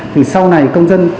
thì sau này công dân